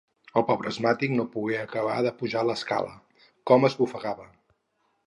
El pobre asmàtic no pogué acabar de pujar l'escala: com esbufegava!